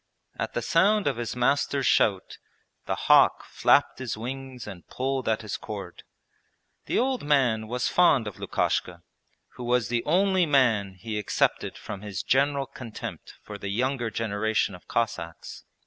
At the sound of his master's shout the hawk flapped his wings and pulled at his cord. The old man was fond of Lukashka, who was the only man he excepted from his general contempt for the younger generation of Cossacks.